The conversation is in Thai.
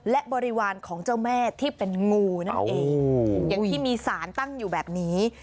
และบริวารของเจ้าแม่ที่เป็นงูนั่นเองอย่างที่มีสารตั้งอยู่แบบนี้